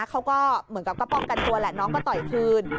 เขาก็เหมือนกับก็ป้องกันตัวแหละน้องก็ต่อยคืน